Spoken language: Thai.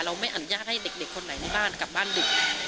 ไม่อนุญาตให้เด็กคนไหนในบ้านกลับบ้านดึก